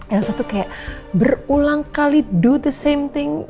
elsa tuh kayak berulang kali do the same thing